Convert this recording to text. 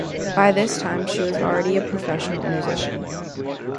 By this time she was already a professional musician.